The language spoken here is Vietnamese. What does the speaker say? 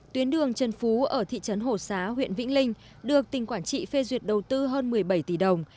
tuyến đường trần phú ở thị trấn hồ xá huyện vĩnh linh được tỉnh quảng trị phê duyệt đầu tư hơn một mươi bảy tỷ đồng